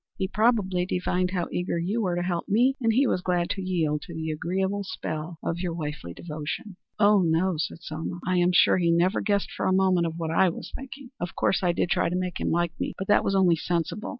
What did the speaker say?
He probably divined how eager you were to help me, and he was glad to yield to the agreeable spell of your wifely devotion." "Oh, no," said Selma. "I am sure he never guessed for one moment of what I was thinking. Of course, I did try to make him like me, but that was only sensible.